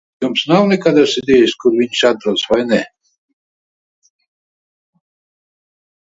Jums nav nekādas idejas, kur viņš atrodas, vai ne?